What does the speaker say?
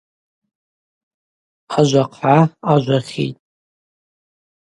Ажва хъгӏа ажв ахьитӏ.